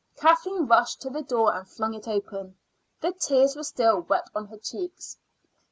Kathleen rushed to the door and flung it open. The tears were still wet on her cheeks.